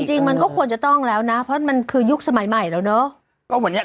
จริงมันก็ควรจะต้องแล้วนะเพราะมันคือยุคสมัยใหม่แล้วเนาะ